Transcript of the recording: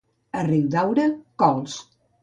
A Ridaura, cols.